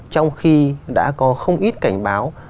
trong khi đã có không ít cảnh báo